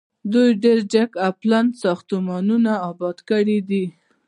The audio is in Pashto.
دوی ډیر جګ او پلن ساختمانونه اباد کړي دي.